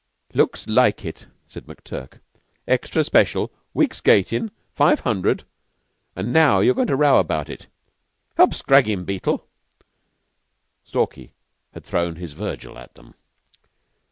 "Looks like it," said McTurk. "Extra special, week's gatin' and five hundred... and now you're goin' to row about it! Help scrag him, Beetle!" Stalky had thrown his Virgil at them.